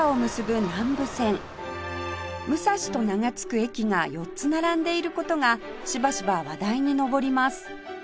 「武蔵」と名が付く駅が４つ並んでいる事がしばしば話題に上ります